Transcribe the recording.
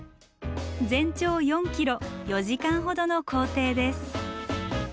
全長４ｋｍ４時間ほどの行程です。